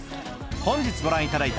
本日ご覧いただいた